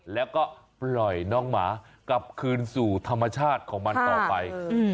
แล้วก็ปล่อยน้องหมากลับคืนสู่ธรรมชาติของมันต่อไป